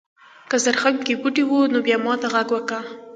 که زرخم کې بوټي و نو بیا ماته غږ وکړه.